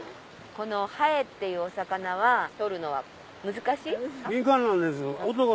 このハエっていうお魚は取るのは難しい？